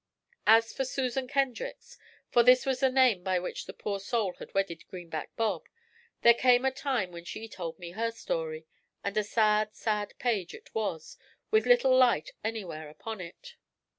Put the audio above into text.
As for Susan Kendricks, for this was the name by which the poor soul had wedded Greenback Bob, there came a time when she told me her story, and a sad, sad page it was, with little light anywhere upon it.